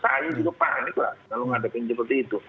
saya juga panik lah kalau ngadepin seperti itu